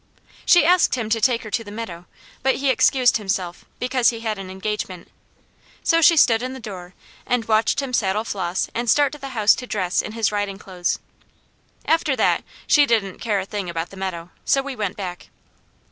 She asked him to take her to the meadow, but he excused himself, because he had an engagement. So she stood in the door, and watched him saddle Flos and start to the house to dress in his riding clothes. After that she didn't care a thing about the meadow, so we went back.